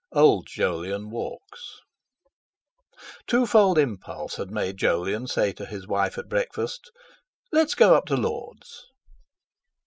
—OLD JOLYON WALKS Twofold impulse had made Jolyon say to his wife at breakfast "Let's go up to Lord's!"